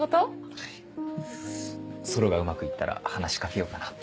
はいソロがうまくいったら話しかけようかなって。